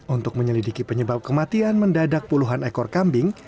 untuk menyelidiki penyebab kematian mendadak puluhan ekor kambing